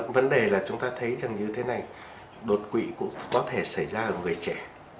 vấn đề là chúng ta thấy rằng như thế này đột quỵ cũng có thể xảy ra ở người trẻ